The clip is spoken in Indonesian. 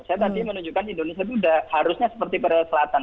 saya tadi menunjukkan indonesia itu harusnya seperti korea selatan